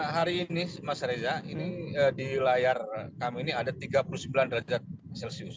hari ini mas reza ini di layar kami ini ada tiga puluh sembilan derajat celcius